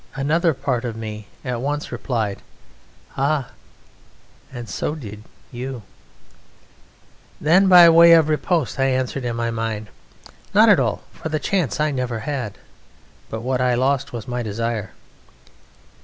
another part of me at once replied: "Ah! And so did you!" Then, by way of riposte, I answered in my mind: "Not at all, for the chance I never had, but what I lost was my desire."